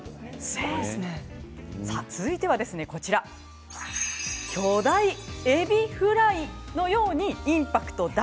続いては巨大えびフライのようにインパクト大。